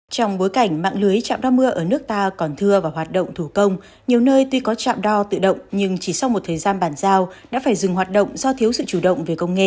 trong bối cảnh mạng lưới chạm đo mưa ở nước ta còn thưa vào hoạt động thủ công nhiều nơi tuy có trạm đo tự động nhưng chỉ sau một thời gian bàn giao đã phải dừng hoạt động do thiếu sự chủ động về công nghệ